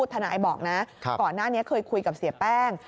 ทนายบอกนะก่อนหน้านี้เคยคุยกับเสียแป้ง